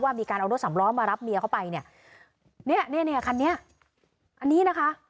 ว่ามีการเอารถสำร้อมารับเมียเขาไปเนี่ยเนี่ยเนี่ยเนี่ยคันนี้อันนี้นะคะ